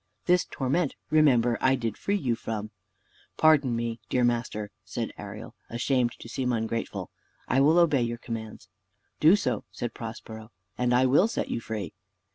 This torment, remember, I did free you from." "Pardon me, dear master," said Ariel, ashamed to seem ungrateful; "I will obey your commands." "Do so," said Prospero, "and I will set you free."